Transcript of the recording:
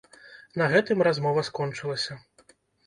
На гэтым размова скончылася.